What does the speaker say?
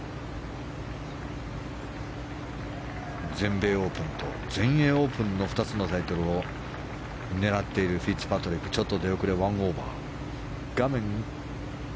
全米オープンと全英オープンの２つのタイトルを狙っているフィッツパトリックちょっと出遅れ、１オーバー。